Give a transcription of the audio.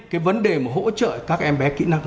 cái vấn đề mà hỗ trợ các em bé kỹ năng